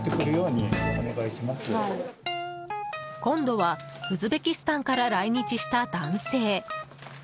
今度はウズベキスタンから来日した男性。